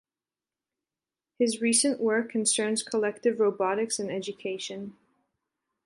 His recent work concerns collective robotics and education.